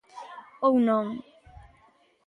Ou non...